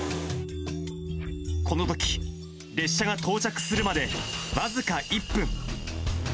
このとき、列車が到着するまで、僅か１分。